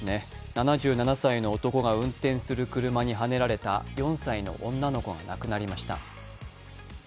７７歳の男が運転する車にはねられた４歳の女の子が亡くなりました。